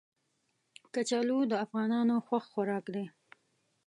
کچالو د افغانانو خوښ خوراک دی